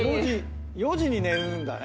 ４時に寝るんだね。